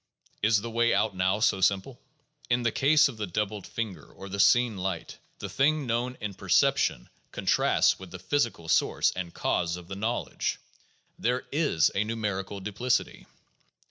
Is the way out now so simple? In the ease of the doubled fingers or the seen light, the thing known in 396 THE JOURNAL OF PHILOSOPHY perception contrasts with the physical source and cause of the knowledge. There is a numerical duplicity.